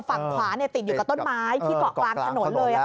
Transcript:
ฝั่งขวาติดอยู่กับต้นไม้ที่เกาะกลางถนนเลย